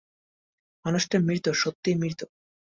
মানুষটা মৃত সত্যিই মৃত।